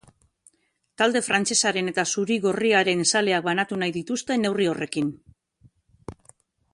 Talde frantsesaren eta zuri-gorriaren zaleak banatu nahi dituzte neurri horrekin.